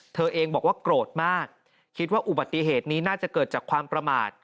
เธอเองบอกว่าโกรธมากคิดว่าอุบัติเหตุนี้น่าจะเกิดจากความประมาท